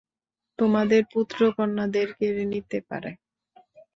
তোমাদের পুত্র, কন্যাদের কেড়ে নিতে পারে।